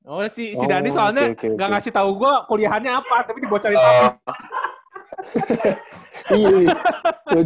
oh si dandi soalnya ga ngasih tau gue kuliahannya apa tapi dibocorin abis